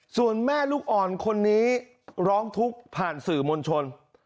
ส่วนแม่ลูกอ่อนคนนี้ร้องทุกข์ผ่านสื่อมวลชน